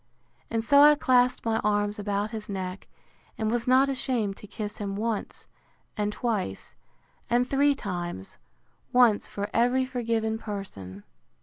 And so I clasped my arms about his neck, and was not ashamed to kiss him once and twice, and three times; once for every forgiven person.